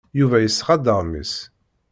Yuba yesɣa-d aɣmis.